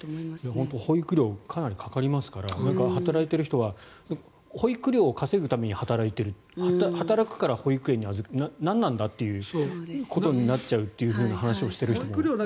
本当に保育料かなりかかりますから働いている人は保育料を稼ぐために働いている働くから保育園に何なんだっていうことになっちゃうっていう話をしている人もいました。